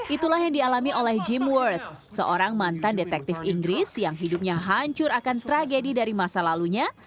itulah yang dialami oleh jim world seorang mantan detektif inggris yang hidupnya hancur akan tragedi dari masa lalunya